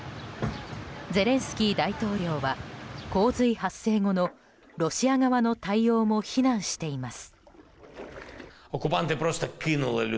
ゼレンスキー大統領は洪水発生後のロシア側の対応も非難しています。